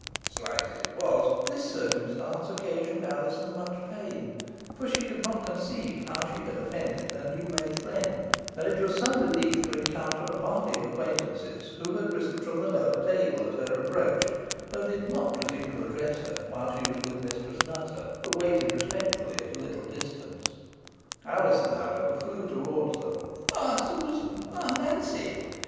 Slight as it was, this circumstance occasioned Alizon much pain, for she could not conceive how she had offended her new made friend, and it was some relief to encounter a party of acquaintances who had risen from the lower table at her approach, though they did not presume to address her while she was with Mistress Nutter, but waited respectfully at a little distance. Alizon, however, flew towards them. "Ah, Susan! ah, Nancy!"